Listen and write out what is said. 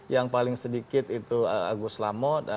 yang paling sedikit itu agus lamo